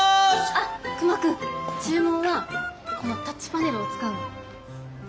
あっ熊くん注文はこのタッチパネルを使うの。